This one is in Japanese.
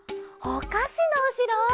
おかしのおしろ！